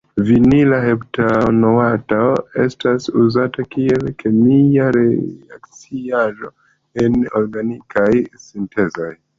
Vinila heptanoato estas uzata kiel kemia reakciaĵo en organikaj sintezoj.